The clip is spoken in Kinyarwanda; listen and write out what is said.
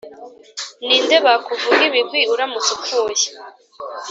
Ninde bakuvuga ibigwi uramutse upfuye